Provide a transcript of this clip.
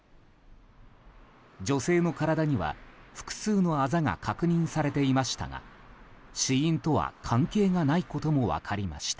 女性の体には、複数のあざが確認されていましたが死因とは関係がないことも分かりました。